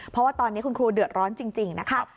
เพราะว่าตอนนี้คุณครูเดือดร้อนจริงนะคะ